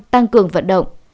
năm tăng cường vận động